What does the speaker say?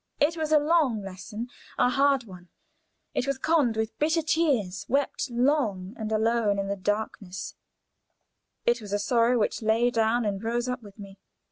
It was a long lesson a hard one; it was conned with bitter tears, wept long and alone in the darkness; it was a sorrow which lay down and rose up with me.